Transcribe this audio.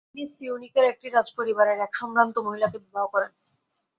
তিনি সিউনিক এর একটি রাজপরিবার এর এক সম্ভ্রান্ত মহিলাকে বিবাহ করেন।